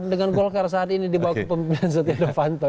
dengan golkar saat ini di bawah kepemimpinan setia novanto